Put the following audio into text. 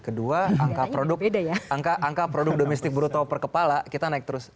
kedua angka produk domestik bruto per kepala kita naik terus